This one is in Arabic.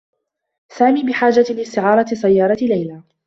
سامي بحاجة لاستعارة سيّارة ليلى.